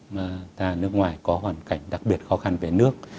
mà ta nước ngoài có hoàn cảnh đặc biệt khó khăn về nước